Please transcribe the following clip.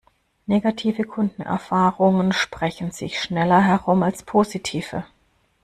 Negative Kundenerfahrungen sprechen sich schneller herum als positive.